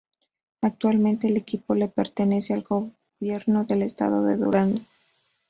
Actualmente el equipo le pertenece al gobierno del estado de Durango.